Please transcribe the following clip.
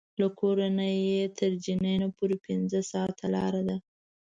له کور نه یې تر جنین پورې پنځه ساعته لاره ده.